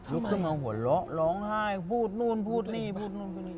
ลูกขึ้นมาหัวเราะร้องไห้พูดนู่นพูดนี่พูดนู่น